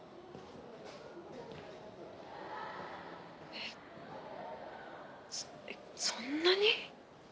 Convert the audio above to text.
えっそんなに？